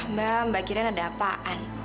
mbak mbak kirian ada apaan